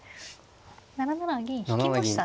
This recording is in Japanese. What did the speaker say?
７七銀引きましたね。